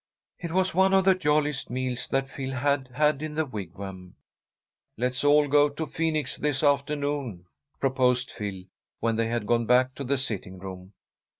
It was one of the jolliest meals that Phil had had in the Wigwam. "Let's all go to Phoenix this afternoon," proposed Phil, when they had gone back to the sitting room.